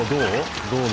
どう？